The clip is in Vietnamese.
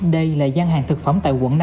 đây là gian hàng thực phẩm tại quận năm